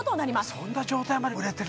そんな状態まで売れてる？